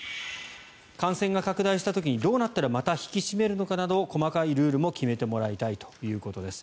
感染が拡大した時にどうなったらまた引き締めるのかなど細かいルールも決めてもらいたいということです。